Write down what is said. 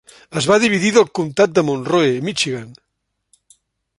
Es va dividir del comtat de Monroe, Michigan.